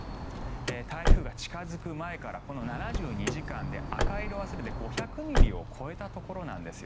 台風が近付く前からこの７２時間で赤色はすでに５００ミリを超えたところなんです。